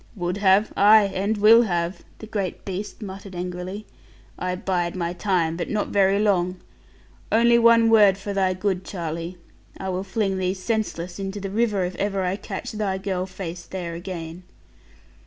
'Would have? Ay, and will have,' the great beast muttered angrily. 'I bide my time; but not very long. Only one word for thy good, Charlie. I will fling thee senseless into the river, if ever I catch thy girl face there again.'